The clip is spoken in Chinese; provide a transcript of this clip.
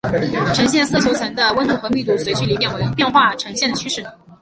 呈现色球层的温度和密度随距离变化呈现的趋势。